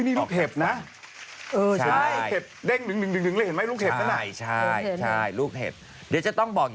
อุ้ยนี่ลูกเห็บนะ